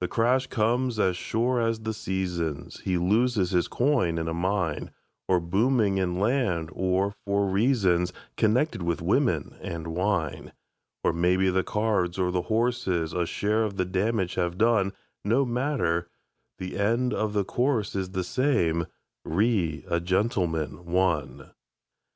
The crash comes as sure as the seasons; He loses his coin in a mine, Or booming in land, or for reasons Connected with women and wine. Or maybe the cards or the horses A share of the damage have done No matter; the end of the course is The same: "Re a Gentleman, One".